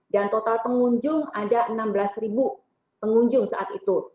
dan total pengunjung ada enam belas pengunjung saat itu